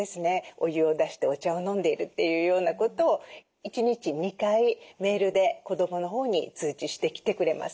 お湯を出してお茶を飲んでいるというようなことを１日２回メールで子どものほうに通知してきてくれます。